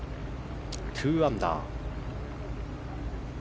２アンダー。